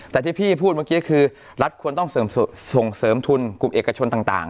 แต่ที่พี่พูดเมื่อกี้คือรัฐควรต้องส่งเสริมทุนกลุ่มเอกชนต่าง